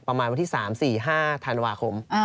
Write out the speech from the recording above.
ประมาณวันที่๓๔๕ธันวาคม